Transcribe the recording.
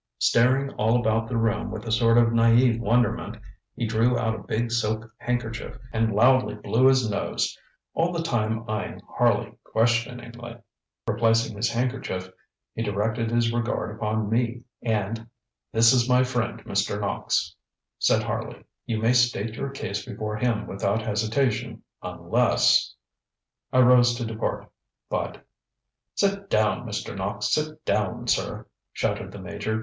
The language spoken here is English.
Staring all about the room with a sort of naive wonderment, he drew out a big silk handkerchief and loudly blew his nose, all the time eyeing Harley questioningly. Replacing his handkerchief he directed his regard upon me, and: ŌĆ£This is my friend, Mr. Knox, ŌĆØ said Harley; ŌĆ£you may state your case before him without hesitation, unless ŌĆØ I rose to depart, but: ŌĆ£Sit down, Mr. Knox! Sit down, sir! ŌĆØ shouted the Major.